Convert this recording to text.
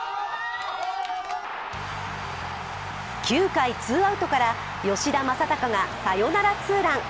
９回ツーアウトから吉田正尚がサヨナラツーラン。